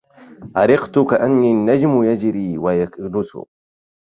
أرقت كأني النجم يجري ويكنس